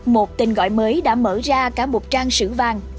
một tên gọi mới đã mở ra cả một trang sử vàng